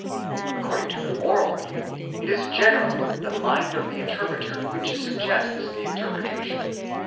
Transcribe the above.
(According to the moral view it is generally the mind of the interpreter which suggests the interpretation.)